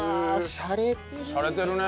しゃれてるね。